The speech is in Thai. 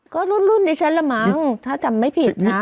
ก็รุ่นดิฉันละมั้งถ้าจำไม่ผิดนะ